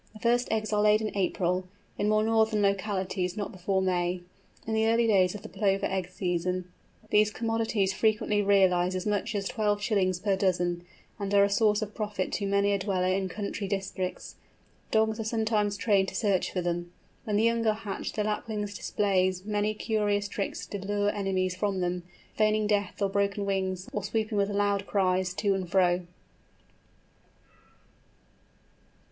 The first eggs are laid in April; in more northern localities not before May. In the early days of the Plover egg season, these commodities frequently realise as much as twelve shillings per dozen, and are a source of profit to many a dweller in country districts. Dogs are sometimes trained to search for them. When the young are hatched the Lapwing displays many curious tricks to lure enemies from them, feigning death or broken wings, or swooping with loud cries to and fro.